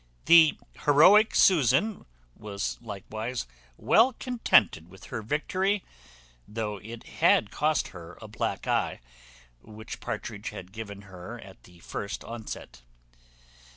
The heroic Susan was likewise well contented with her victory, though it had cost her a black eye, which Partridge had given her at the first onset.